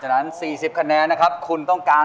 ช่วยฝังดินหรือกว่า